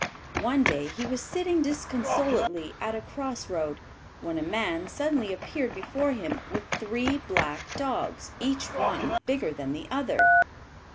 One day he was sitting disconsolately at a cross road, when a man suddenly appeared before him with three black dogs, each one bigger than the other.